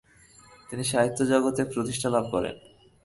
তিনি সাহিত্যজগতে প্রতিষ্ঠালাভ করেন।